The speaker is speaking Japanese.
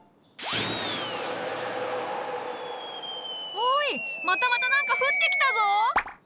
おいまたまた何か降ってきたぞ！